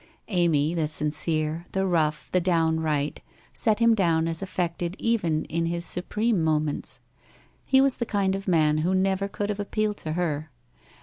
Amy, the sincere, the rough, the downright, set him down as affected even in his supreme moments. He was the kind of man who never could have appealed to her.